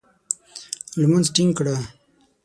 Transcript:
لمونځ ټینګ کړه !